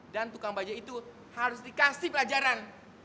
dan tukang bajaj itu harus dikasih pelajaran